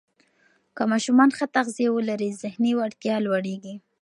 که ماشومان ښه تغذیه ولري، ذهني وړتیا لوړېږي.